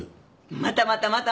またまたまたまた。